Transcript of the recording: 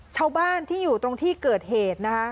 ชาวบ้านที่อยู่ตรงที่เกิดเหตุนะคะ